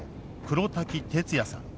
黒滝哲哉さん。